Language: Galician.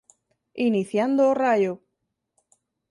Iniciando o raio.